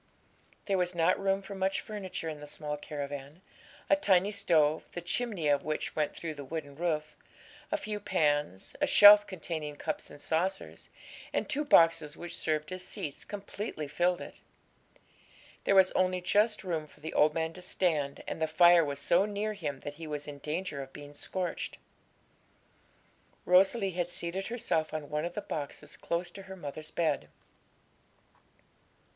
There was not room for much furniture in the small caravan; a tiny stove, the chimney of which went through the wooden roof, a few pans, a shelf containing cups and saucers, and two boxes which served as seats, completely filled it. There was only just room for the old man to stand, and the fire was so near him that he was in danger of being scorched. Rosalie had seated herself on one of the boxes close to her mother's bed.